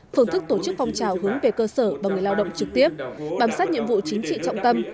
phương thức tổ chức phong trào hướng về cơ sở và người lao động trực tiếp bám sát nhiệm vụ chính trị trọng tâm